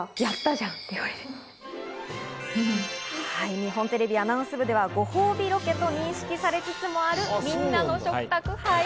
日本テレビアナウンス部ではご褒美ロケと認識されつつもある、みんなの食卓。